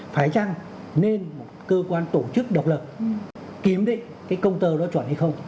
phải chăng nên một cơ quan tổ chức độc lập kiểm định cái công tơ đó chuẩn hay không